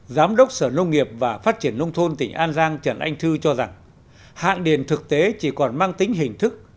giám đốc sở nông nghiệp và phát triển nông thôn tỉnh an giang trần anh thư cho rằng hạn điền thực tế chỉ còn mang tính hình thức